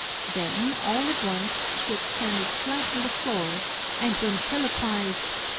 Then, all at once, she ex panded flat on the floor, and ventriloquised.